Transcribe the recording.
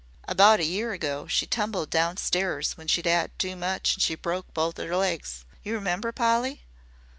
About a year ago she tumbled downstairs when she'd 'ad too much an' she broke both 'er legs. You remember, Polly?"